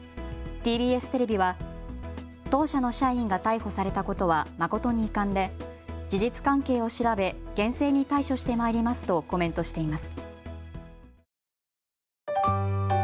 ＴＢＳテレビは当社の社員が逮捕されたことは誠に遺憾で事実関係を調べ厳正に対処してまいりますとコメントしています。